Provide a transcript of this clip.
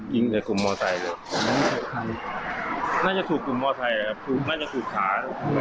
ยิงในกลุ่มมอเตอร์ไทยเลยน่าจะถูกกลุ่มมอเตอร์ไทยครับน่าจะถูกขา